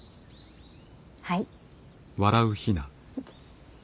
はい。